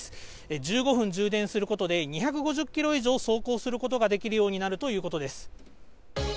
１５分充電することで、２５０キロ以上走行することができるようになるということです。